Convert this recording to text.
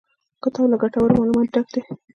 کتاب له ګټورو معلوماتو ډک دی.